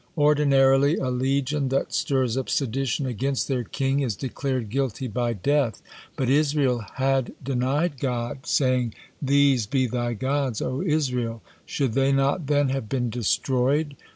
Ordinarily a legion that stirs up sedition against their king is declared guilty by death, but Israel had denied God, saying, 'These be thy gods, O Israel.' Should they not then have been destroyed?